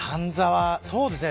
そうですね。